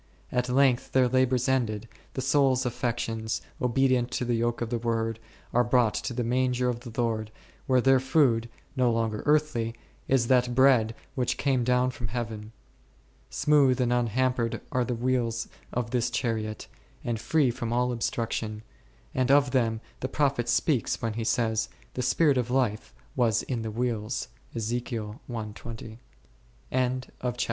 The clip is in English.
At length, their labours ended, the soul's affections, obedient to the yoke of the Word, are brought to the manger of the Lord, where their food, no longer earthly, is that Bread which came down from Heaven. Smooth and unhampered are the wheels of this chariot, and free from all obstruction, and of them the prophet speaks when he says, The spirit of life was in the wheels v. p Ezek. i. 20. o o o — O 45 CHAP.